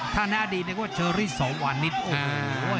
ถ้าน่าได้เรียกว่าเชอรี่สองอันฑ์นิดโอ้โหเลย